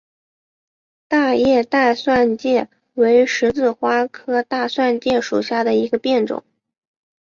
大叶大蒜芥为十字花科大蒜芥属下的一个变种。